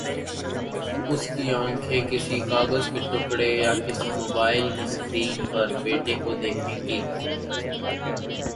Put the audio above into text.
اس کے آنکھیں کسی کاغذ کے ٹکڑے یا کسی موبائل کی سکرین پر بیٹے کو دیکھیں گی۔